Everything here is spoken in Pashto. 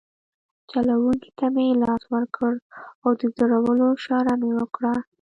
چلونکي ته مې لاس ورکړ او د درولو اشاره مې وکړه.